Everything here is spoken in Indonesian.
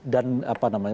dan apa namanya